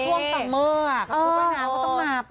ต่อเมอร์อ่ะก็พูดมานานว่าต้องมาป่ะหรอ